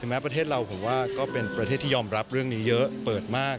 แม้ประเทศเราผมว่าก็เป็นประเทศที่ยอมรับเรื่องนี้เยอะเปิดมาก